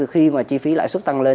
khi mà chi phí lãi xuất tăng lên